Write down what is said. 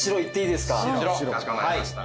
かしこまりました。